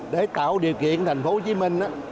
để tạo điều kiện thành phố hồ chí minh